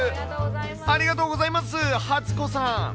ありがとうございます、初子さん。